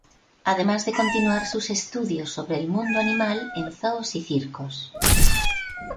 Además de continuar sus estudios sobre el mundo animal en zoos y circos.